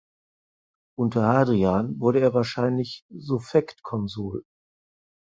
Unter Hadrian wurde er wahrscheinlich Suffektkonsul.